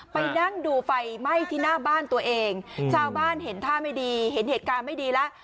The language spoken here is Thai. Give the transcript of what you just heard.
ไปนั่งดูไฟไหม้ที่หน้าบ้านตัวเองชาวบ้านเห็นท่าไม่ดีเห็นเหตุการณ์ไม่ดีแล้ว